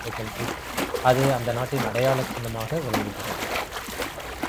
அது அந்த நாட்டின் அடையாளச் சின்னமாக விளங்குகிறது.